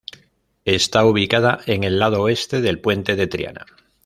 Está ubicada en el lado oeste del Puente de Triana.